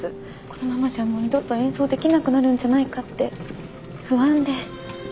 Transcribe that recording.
このままじゃもう二度と演奏できなくなるんじゃないかって不安で。